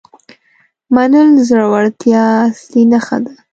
منل د زړورتیا اصلي نښه ده.